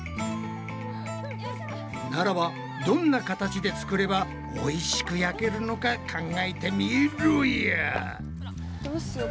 ならばどんな形で作ればおいしく焼けるのか考えてみろや！